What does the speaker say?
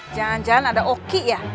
jangan jangan ada oki ya